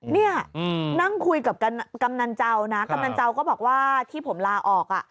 นี่นั่งคุยกับกำนันเจ้านะกำนันเจ้าก็บอกว่าที่ผมลาออกอ่ะ